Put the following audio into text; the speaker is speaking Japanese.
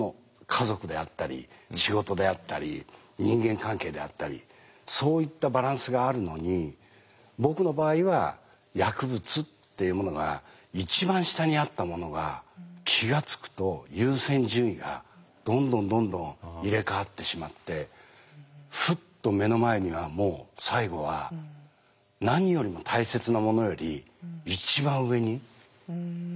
家族であったり仕事であったり人間関係であったりそういったバランスがあるのに僕の場合は薬物っていうものが一番下にあったものが気が付くと優先順位がどんどんどんどん入れ代わってしまってふっと目の前にはもう最後は何よりも大切なものより一番上にいってしまう。